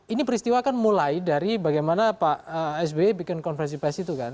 ini peristiwa kan mulai dari bagaimana pak sby bikin konversi pes itu kan